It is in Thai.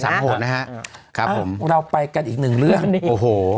โหดนะฮะครับผมเราไปกันอีกหนึ่งเรื่องโอ้โห